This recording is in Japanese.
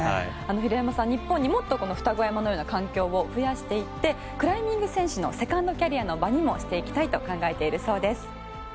平山さんは日本にもっと二子山のような環境を増やしていってクライミング選手のセカンドキャリアの場にもしていきたいと考えているそうです。